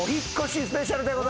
スペシャルでございます。